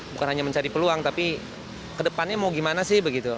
bukan hanya mencari peluang tapi kedepannya mau gimana sih begitu